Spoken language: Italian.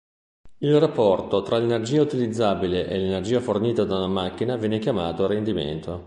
Il rapporto tra l'energia utilizzabile e l'energia fornita da una macchina viene chiamato rendimento.